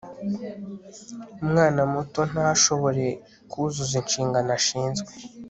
umwana muto ntashobore kuzuza inshingano ashinzwe